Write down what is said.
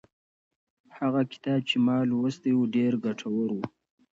هغه کتاب چې ما لوستی و ډېر ګټور و.